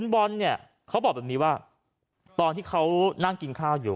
บราณเขาบอกแบบนี้ว่าเมื่อเขานั่งกินข้าวอยู่